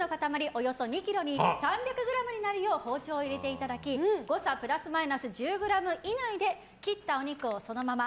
およそ２ｋｇに３００ｇになるよう包丁を入れていただき誤差プラスマイナス１０ｇ以内で切ったお肉をそのまま。